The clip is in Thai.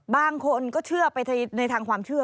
บางคนก็เชื่อไปในทางความเชื่อ